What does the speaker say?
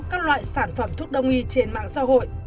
các loại sản phẩm thuốc đông y trên mạng xã hội